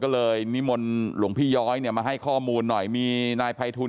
ก็เลยนิมนต์หลวงพี่ย้อยเนี่ยมาให้ข้อมูลหน่อยมีนายภัยทูล